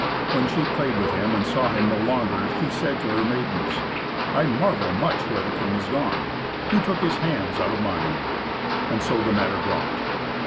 When she played with him and saw him no longer, she said to her maidens, "I marvel much where the king is gone. Who took his hands out of mine?" And so the matter dropped.